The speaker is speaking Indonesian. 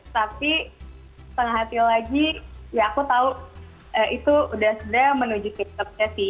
tapi penghati lagi ya aku tahu itu sudah menuju kehip penciuman